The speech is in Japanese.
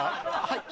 はい。